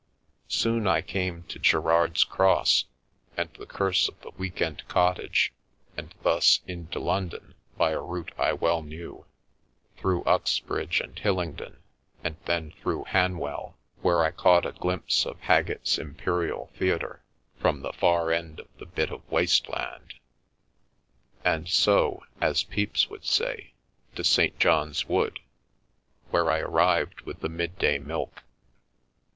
Soon I came to Gerrard's Cross and the curse of the week end cottage, and thus into London by a route I well knew: through Uxbridge and Hillingdon, and then through Hanwell, where I caught a glimpse of "Hag gett's Imperial Theatre," from the far end of the bit of waste land. And so — as Pepys would say — to St. John's Wood, where I arrived with the mid day milk.